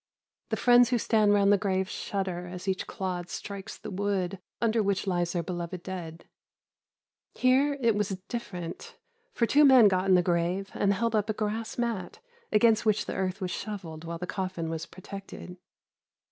The friends who stand round the grave shudder as each clod strikes the wood under which lies their beloved dead. Here it was different, for two men got into the grave and held up a grass mat, against which the earth was shovelled while the coffin was protected.